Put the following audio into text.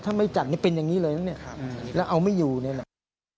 ถ้าไม่จัดนี่เป็นอย่างนี้เลยนะเนี่ยแล้วเอาไม่อยู่นี่แหละ